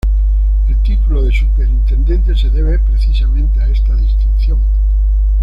El título de superintendente se debe precisamente a esta distinción.